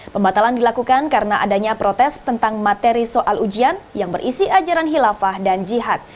pembatalan dilakukan karena adanya protes tentang materi soal ujian yang berisi ajaran hilafah dan jihad